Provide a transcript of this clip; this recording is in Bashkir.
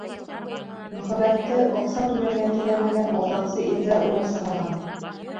Мөхәббәтте аҡса түләргә теләмәгән алдаҡсы ирҙәр уйлап сығарған.